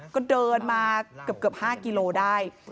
ก็เดินมาเกือบ๕กิโลได้